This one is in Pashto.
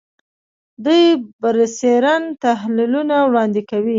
دوی برسېرن تحلیلونه وړاندې کوي